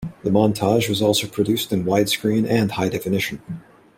The montage was also produced in widescreen and high definition.